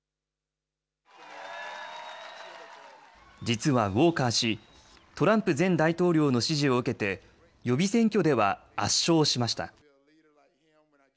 実はウォーカー氏、トランプ前大統領の支持を受けて予備選挙では圧勝しました。